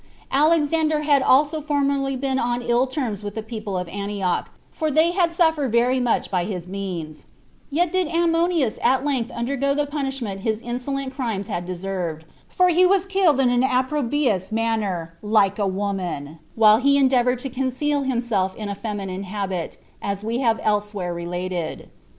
Alexander had also formerly been on very ill terms with the people of Antioch, for they had suffered very much by his means; yet did Ammonius at length undergo the punishment his insolent crimes had deserved, for he was killed in an opprobrious manner, like a woman, while he endeavored to conceal himself in a feminine habit, as we have elsewhere related.